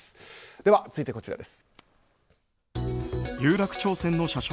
では、続いてこちらです。